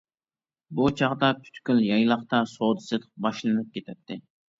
بۇ چاغدا پۈتكۈل يايلاقتا سودا سېتىق باشلىنىپ كېتەتتى.